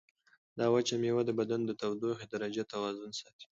دا وچه مېوه د بدن د تودوخې د درجې توازن ساتي.